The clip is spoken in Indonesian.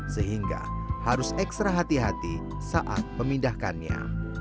sehingga harus ekstra hati hati saat memindahkannya